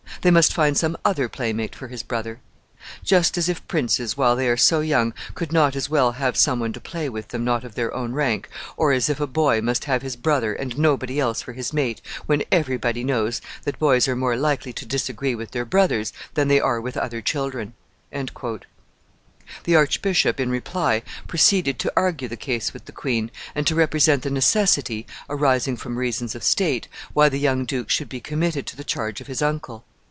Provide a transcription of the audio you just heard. They must find some other playmate for his brother. Just as if princes, while they are so young, could not as well have some one to play with them not of their own rank, or as if a boy must have his brother, and nobody else for his mate, when every body knows that boys are more likely to disagree with their brothers than they are with other children." The archbishop, in reply, proceeded to argue the case with the queen, and to represent the necessity, arising from reasons of state, why the young duke should be committed to the charge of his uncle.